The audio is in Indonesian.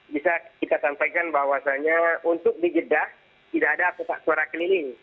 bisa kita sampaikan bahwasannya untuk di jeddah tidak ada kotak suara keliling